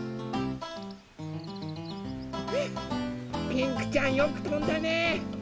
ピンクちゃんよくとんだね。